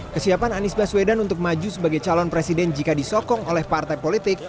kesiapan anies baswedan untuk maju sebagai calon presiden jika disokong oleh partai politik